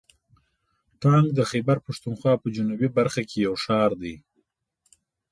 ټانک د خیبر پښتونخوا په جنوبي برخه کې یو ښار دی.